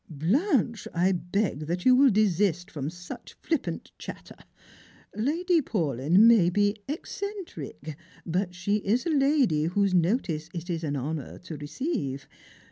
" Blanche, I beg that you will desist from such flipjiant shatter. Lady Paulyn may be eccentric, but she is a lady whose notice it is an honour to receive.